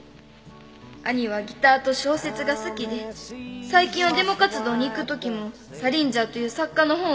「兄はギターと小説が好きで最近はデモ活動に行く時もサリンジャーという作家の本を持って」